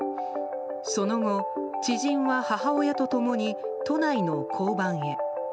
その後、知人は母親と共に都内の交番へ。